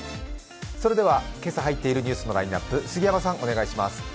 それでは今朝入っているニュースのラインナップ、杉山さん、お願いします。